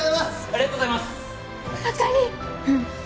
うん。